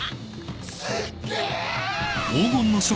すっげえ！